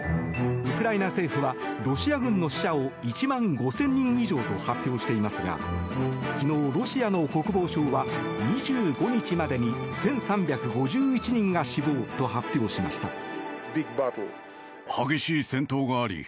ウクライナ政府はロシア軍の死者を１万５０００人以上と発表していますが昨日、ロシアの国防省は２５日までに１３５１人が死亡と発表しました。